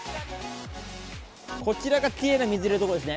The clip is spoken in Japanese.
こちらがきれいな水を入れるところですね。